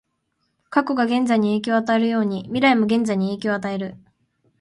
過去が現在に影響を与えるように、未来も現在に影響を与える。